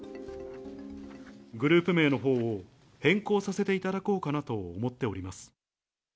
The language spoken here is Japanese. グループ名のほうを変更させていただこうかなと思っております。